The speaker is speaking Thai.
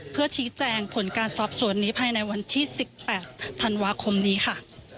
เพื่อชี้แจงผลการสอบสวนนี้ภายในวันที่๑๘ธันวาคมนี้ค่ะ